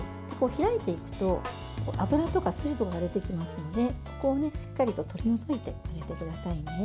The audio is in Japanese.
開いていくと脂とか筋とかが出てきますのでここをしっかりと取り除いておいてくださいね。